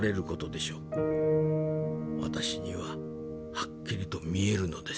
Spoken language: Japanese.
私にははっきりと見えるのです」。